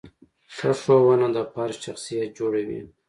ښه ښوونه د فرد شخصیت جوړوي.